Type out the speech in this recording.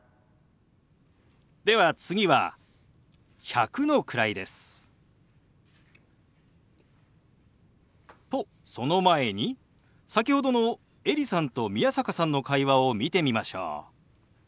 では次は１００の位です。とその前に先ほどのエリさんと宮坂さんの会話を見てみましょう。